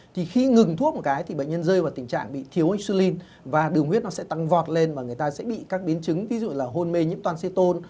thì khi ngừng thuốc một cái thì bệnh nhân rơi vào tình trạng bị thiếu isulin và đường huyết nó sẽ tăng vọt lên mà người ta sẽ bị các biến chứng ví dụ là hôn mê những toan xe tôn